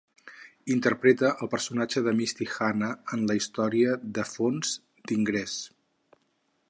Interpreta al personatge de Misty Hannah en la història de fons "d'Ingress".